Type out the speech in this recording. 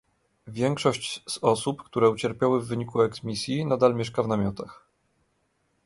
Większość z osób, które ucierpiały w wyniku eksmisji, nadal mieszka w namiotach